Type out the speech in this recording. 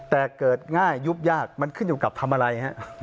แต่เกิดง่ายยุบยากมันขึ้นอยู่กับทำอะไรฮะ